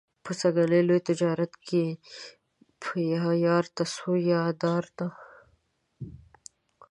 په سږني لوی تجارت کې به یا یار ته څو یا دار ته.